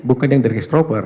bukan yang dari christopher